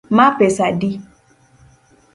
Ma pesa adi?